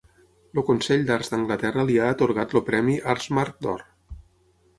El Consell d'Arts d'Anglaterra li ha atorgat el Premi Artsmark d'Or.